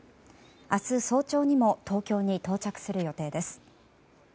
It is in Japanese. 明日早朝にも東京に到着する予定です。